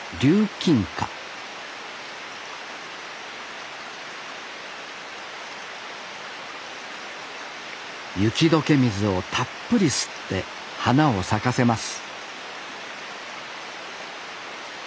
キンカ雪解け水をたっぷり吸って花を咲かせます